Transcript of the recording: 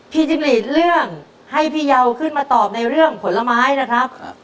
จิ้งหลีดเรื่องให้พี่เยาขึ้นมาตอบในเรื่องผลไม้นะครับ